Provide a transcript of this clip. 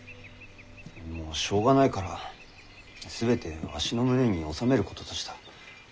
もうしょうがないから全てわしの胸に納めることとした。